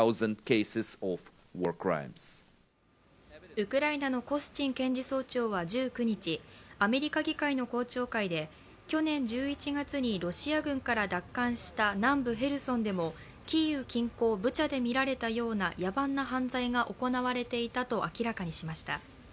ウクライナのコスチン検事総長は１９日アメリカ議会の公聴会で去年１１月にロシア軍から奪還した南部ヘルソンでもキーウ近郊ブチャで見られたような野蛮な犯罪が行われていたと明らかにしました。